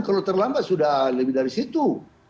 kalau terlambat sudah lebih dari situ